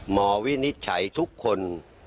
วินิจฉัยทุกคน